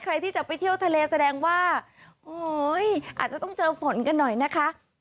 ใครที่จะไปเที่ยวทะเลแสดงว่าโอ้ยอาจจะต้องเจอฝนกันหน่อยนะคะ